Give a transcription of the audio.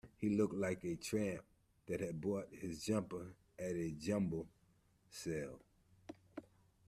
He looked like a tramp that had bought his jumper at a jumble sale